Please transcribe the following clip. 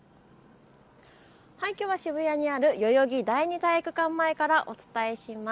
きょうは渋谷にある代々木第二体育館前からお伝えします。